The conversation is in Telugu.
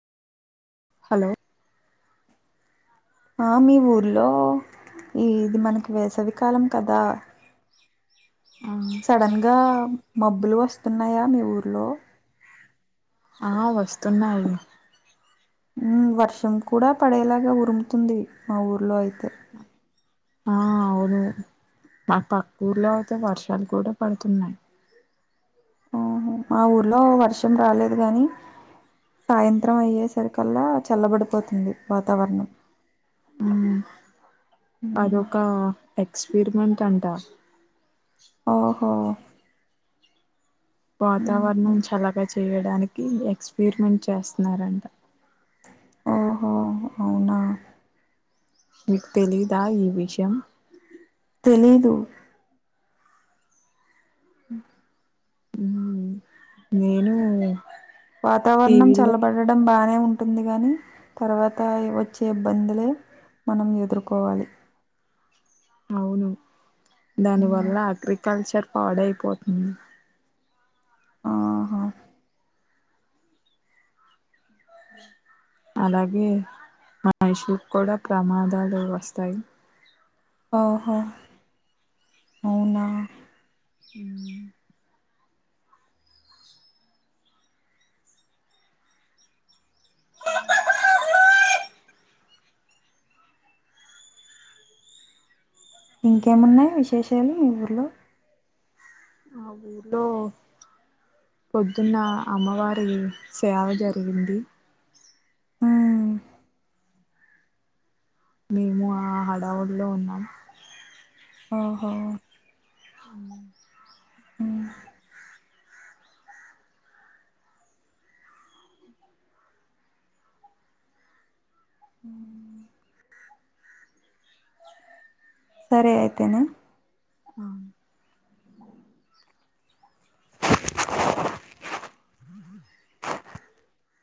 హలో ఆ మీ ఊర్లో ఈ ఇది మనకి వేసవికాలం కదా. సడన్ గా మబ్బులు వస్తున్నయా మీ ఊర్లో? ఆ వస్తున్నాయి. ఉమ్ వర్షం కూడా పడేలాగా ఉరుముతుంది మా ఊర్లో అయితే. ఆ అవును, మా పక్కూర్లో అయితే వర్షాలు కూడా పడుతున్నాయి. ఊహు మా ఊర్లో వర్షం రాలేదు గానీ, సాయంత్రం అయ్యే సరికల్లా చల్లబడిపోతుంది వాతావరణం. ఉమ్. అదొక ఎక్స్పెరిమెంట్ అంటా ఓహో ఉమ్. వాతావరణం చలగా చేయ్ చేయడానికి ఎక్స్పరిమెంట్ చేస్తున్నారంట. ఆహో అవునా. మీకు తెలీదా ఈ విషయం. తెలీదు అ ఉమ్ నేను వాతావరణం టీవీలో చల్లబడడం బానే ఉం. ఉంటుంది గని, తర్వాత వచ్చే ఇబ్బందులే మనం ఎదుర్కోవాలి. అవును దాని వల్ల అగ్రికల్చర్ పాడైపోతుంది. ఆహా అలాగే మన ఇషకి కూడా ప్రమాదాలు వస్తాయి. ఆహో అవునా హ్మ్ ఇంకేమున్నయి విశేషాలు మీ ఊర్లో మా ఊర్లో పొద్దున్న అమ్మవారిది సేవ జరిగింది. ఆ మేము ఆ హడావుడిలో ఉన్నాం. ఓహో ఉమ్ సరే అయితేనా అ